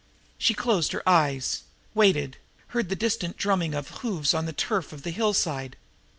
She closed her eyes waited heard the distant drumming of hoofs on the turf of the hillside.